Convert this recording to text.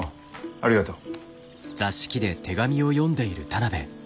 ありがとう。